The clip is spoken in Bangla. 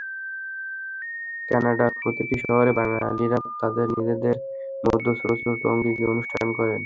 কানাডার প্রতিটি শহরে বাঙালিরা তাঁদের নিজেদের মধ্যে ছোট ছোট আঙ্গিকে অনুষ্ঠান করেন।